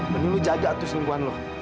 menilu jaga tuh selingkuhan lo